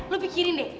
lo pikirin deh